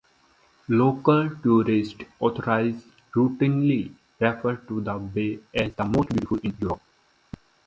Local tourist authorities routinely refer to the bay as "the most beautiful in Europe".